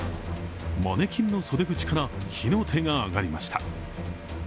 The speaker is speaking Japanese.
マネキンの袖口から火の手が上がりました。